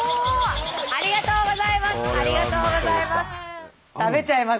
ありがとうございます！